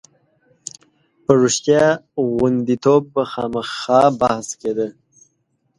په رښتیا غوندېتوب به خامخا بحث کېده.